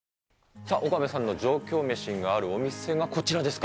さあ、岡部さんの上京メシがあるお店がこちらですか。